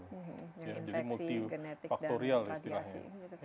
yang infeksi genetik dan radiasi